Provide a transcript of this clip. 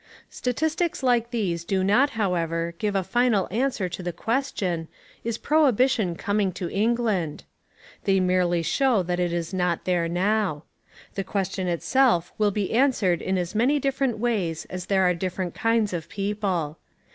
Statistics like these do not, however, give a final answer to the question, "Is prohibition coming to England?" They merely show that it is not there now. The question itself will be answered in as many different ways as there are different kinds of people.